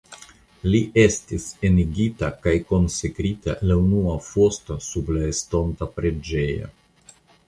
La estis enigita kaj konsekrita la unua fosto sub la estonta preĝejo.